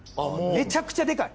めちゃくちゃでかい。